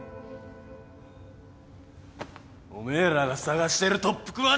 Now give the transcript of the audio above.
おめえらが捜してる特服はな！